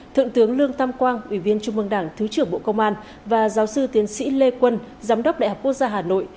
thượng tướng lương tam quang ủy viên trung mương đảng thứ trưởng bộ công an và giáo sư tiến sĩ lê quân giám đốc đại học quốc gia hà nội